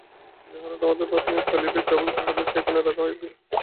যাহারা তোমাদের ভাব মানিয়া চলিবে, কেবল তাহাদের সেখানে রাখা হইবে।